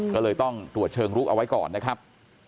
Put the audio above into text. ก็เลยต้องตรวจเชิงลุกเอาไว้ก่อนนะครับ